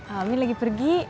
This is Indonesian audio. amin lagi pergi